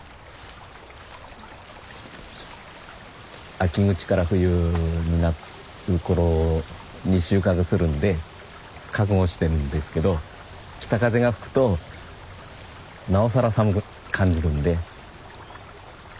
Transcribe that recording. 秋口から冬になる頃に収穫するんで覚悟してるんですけど北風が吹くとなおさら寒く感じるんで一番大変ですね。